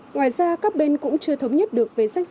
ngoài ra các bên cũng chưa thống nhất được tàu chở ngũ góc biển đen